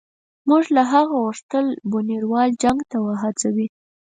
موږ له هغه وغوښتل بونیروال جنګ ته وهڅوي.